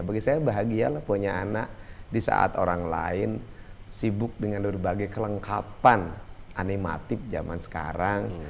bagi saya bahagia lah punya anak di saat orang lain sibuk dengan berbagai kelengkapan animatif zaman sekarang